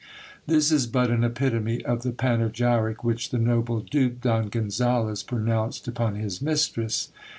This is but an epitome of the panegyric, which the noble dupe Don Gonzales pronounced upon his mistress.